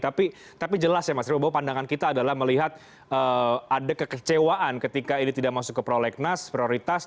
tapi jelas ya mas robo pandangan kita adalah melihat ada kekecewaan ketika ini tidak masuk ke prolegnas prioritas